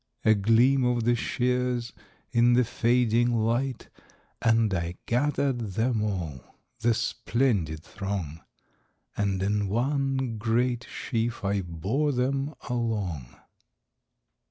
A gleam of the shears in the fading light, And I gathered them all,—the splendid throng, And in one great sheaf I bore them along..